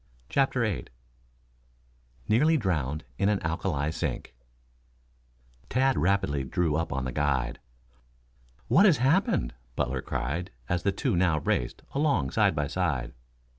CHAPTER VIII NEARLY DROWNED IN AN ALKALI SINK Tad rapidly drew up on the guide. "What has happened?" Butler cried as the two now raced along side by side.